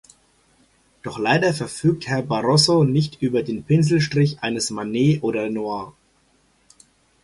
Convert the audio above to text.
Doch leider verfügt Herr Barroso nicht über den Pinselstrich eines Manet oder Renoir.